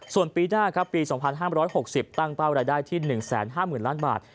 ส่วนปีหน้าครับปี๒๕๖๐ตั้งเป้ารายได้ที่๑๕๐๐๐ล้านบาท